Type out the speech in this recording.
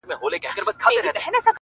يو وخت د کندهار د پوهني مدير وو.